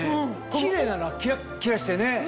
キレイなのキラッキラしてね。